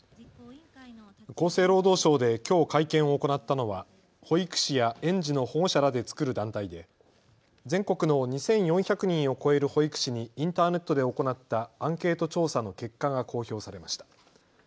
厚生労働省できょう会見を行ったのは保育士や園児の保護者らで作る団体で全国の２４００人を超える保育士にインターネットで行ったアンケート調査の結果が公表されました。